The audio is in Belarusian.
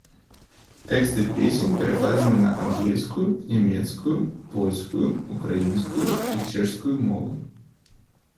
Тэксты песень перакладзены на ангельскую, нямецкую, польскую, украінскую і чэшскую мовы.